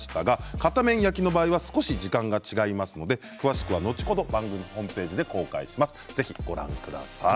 片面焼きの場合は少し時間が違いますので詳しくは後ほど番組ホームページで公開します。